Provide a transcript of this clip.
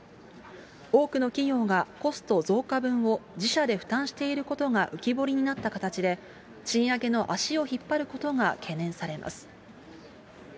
多くの企業がコスト増加分を自社で負担していることが浮き彫りになった形で、賃上げの足を引っ張ることが懸念されます。